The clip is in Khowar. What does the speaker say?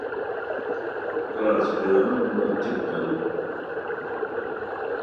کاچ پیرانو موژا ٹیپ قالیپ